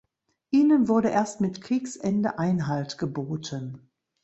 Ihnen wurde erst mit Kriegsende Einhalt geboten.